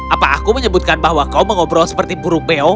apa aku menyebutkan bahwa kau mengobrol seperti buru peo